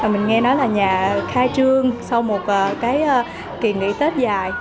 mình nghe nói là nhà khai trương sau một cái kỳ nghỉ tết dài